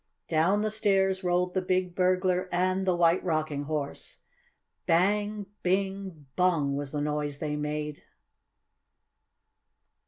Down the stairs rolled the big burglar and the White Rocking Horse. "Bang! Bing! Bung!" was the noise they made.